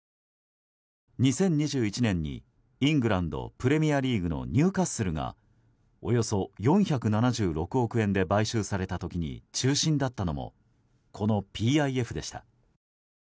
２０２１年にイングランド・プレミアリーグのニューカッスルがおよそ４７６億円で買収された時に中心だったのもこのＰＩＦでした。